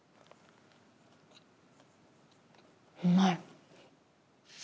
うまい。